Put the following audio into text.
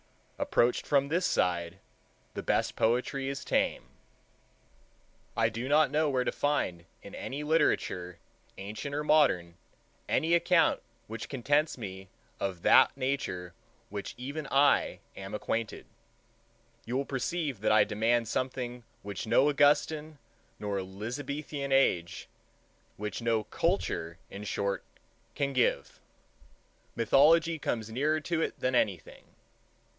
Approached from this side, the best poetry is tame. I do not know where to find in any literature, ancient or modern, any account which contents me of that Nature with which even I am acquainted. You will perceive that I demand something which no Augustan nor Elizabethan age, which no culture, in short, can give. Mythology comes nearer to it than anything.